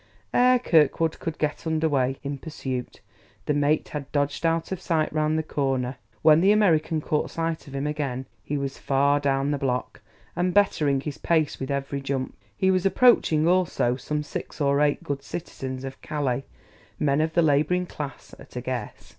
Ere Kirkwood could get under way, in pursuit, the mate had dodged out of sight round the corner. When the American caught sight of him again, he was far down the block, and bettering his pace with every jump. He was approaching, also, some six or eight good citizens of Calais, men of the laboring class, at a guess.